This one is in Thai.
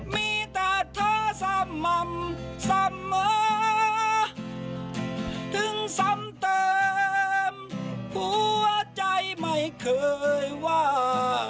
มีแต่เธอสม่ำเสมอถึงซ้ำเติมหัวใจไม่เคยว่า